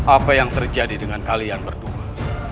apa yang terjadi dengan kalian berdua